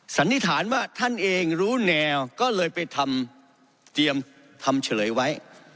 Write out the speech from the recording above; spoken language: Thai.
สันนิษฐานว่าท่านเองรู้แนวก็เลยไปทำเตรียมคำเฉลยไว้